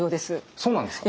そうなんですか。